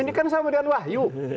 ini kan sama dengan wahyu